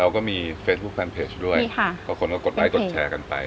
แล้วก็มีเฟสบุ้คแฟนเพจด้วยมีค่ะก็คนก็กดไลค์แชร์กันไป